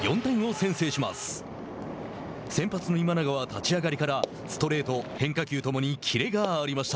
先発の今永は立ち上がりからストレート、変化球ともにキレがありました。